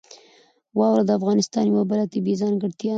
واوره د افغانستان یوه بله طبیعي ځانګړتیا ده.